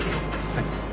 はい。